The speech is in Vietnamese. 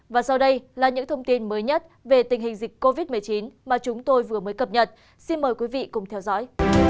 và sau đây là những thông tin mới nhất về tình hình dịch covid một mươi chín mà chúng tôi vừa mới cập nhật xin mời quý vị cùng theo dõi